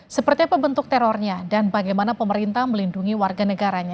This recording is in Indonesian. seperti apa bentuk terornya dan bagaimana pemerintah melindungi warga negaranya